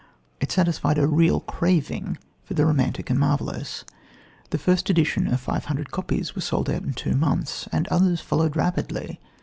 It satisfied a real craving for the romantic and marvellous. The first edition of five hundred copies was sold out in two months, and others followed rapidly.